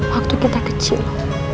waktu kita kecil